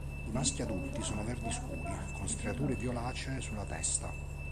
I maschi adulti sono verdi scuri con striature violacee sulla testa.